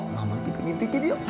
mama tidak ingin tidur